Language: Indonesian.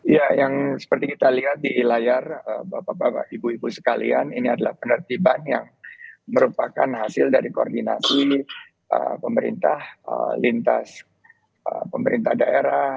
ya yang seperti kita lihat di layar bapak bapak ibu ibu sekalian ini adalah penertiban yang merupakan hasil dari koordinasi pemerintah lintas pemerintah daerah